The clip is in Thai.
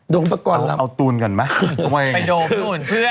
โดมประกอลลำเอาตูนกันไหมไปโดมนู่นเพื่อ